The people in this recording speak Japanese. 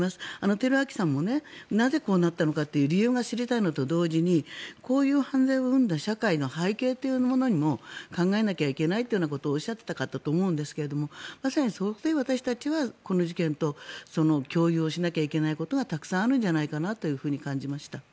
寺脇さんもなぜこうなったのかという理由が知りたいのと同時にこういう犯罪を生んだ社会の背景というものも考えなきゃいけないということをおっしゃっていたかと思うんですがまさに私たちはこの事件と共有をしなきゃいけないことがたくさんあるんじゃないかと感じました。